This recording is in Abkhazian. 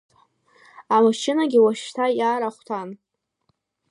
Амашьынагьы уажәшьҭа иаар ахәҭан.